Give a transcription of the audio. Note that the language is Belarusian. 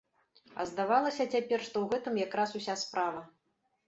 А здавалася цяпер, што ў гэтым якраз уся справа.